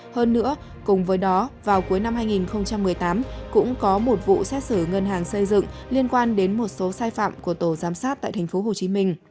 hơn nữa cùng với đó vào cuối năm hai nghìn một mươi tám cũng có một vụ xét xử ngân hàng xây dựng liên quan đến một số sai phạm của tổ giám sát tại tp hcm